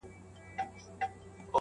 له مودو وروسته يې کرم او خرابات وکړ.